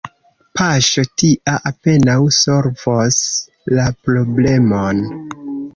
Paŝo tia apenaŭ solvos la problemon.